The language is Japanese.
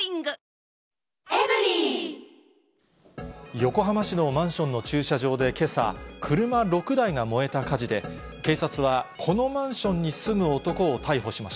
横浜市のマンションの駐車場でけさ、車６台が燃えた火事で、警察はこのマンションに住む男を逮捕しま